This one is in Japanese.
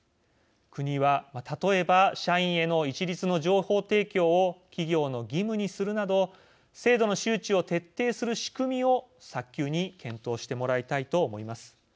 国は、例えば社員への一律の情報提供を企業の義務にするなど制度の周知を徹底する仕組みを早急に検討してもらいたいと思います。